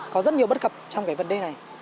có rất nhiều bất cập trong cái vấn đề này